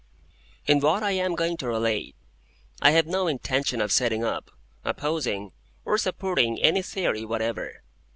In what I am going to relate, I have no intention of setting up, opposing, or supporting, any theory whatever.